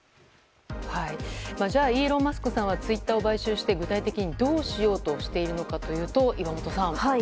じゃあイーロン・マスクさんはツイッターを買収して具体的にどうしようとしているのかというと岩本さん。